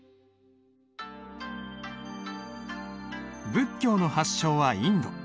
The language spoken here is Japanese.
仏教の発祥はインド。